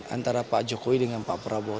antara pak jokowi dengan pak prabowo